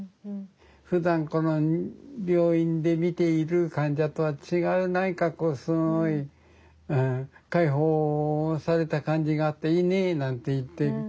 ふだんこの病院で見ている患者とは違う何かこう「開放された感じがあっていいね」なんて言って。